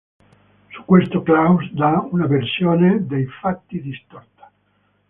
Su questo Klaus dà una versione dei fatti distorta.